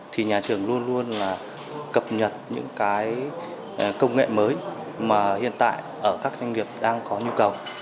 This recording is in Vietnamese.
thì nhà trường luôn luôn là cập nhật những cái công nghệ mới mà hiện tại ở các doanh nghiệp đang có nhu cầu